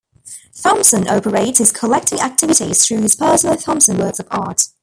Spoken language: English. Thomson operates his collecting activities through his personal Thomson Works of Art.